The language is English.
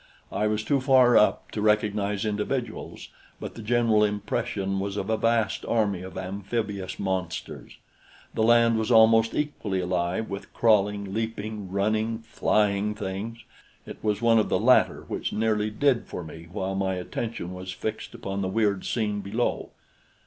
I was too far up to recognize individuals, but the general impression was of a vast army of amphibious monsters. The land was almost equally alive with crawling, leaping, running, flying things. It was one of the latter which nearly did for me while my attention was fixed upon the weird scene below.